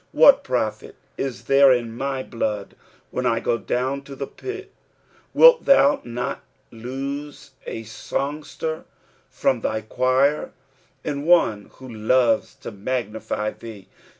" Wliat pro/it i* there in my Uood, when I go dovm to the pit f" Wilt thou sot lose a songster from thy choir, and one who loves to magnify thee